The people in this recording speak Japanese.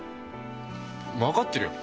分かってるよ。